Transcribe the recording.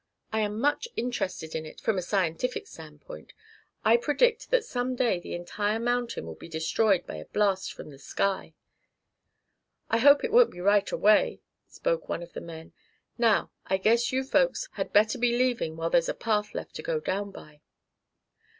"I am much interested in it, from a scientific standpoint. I predict that some day the entire mountain will be destroyed by a blast from the sky." "I hope it won't be right away," spoke one of the men. "Now I guess you folks had better be leaving while there's a path left to go down by."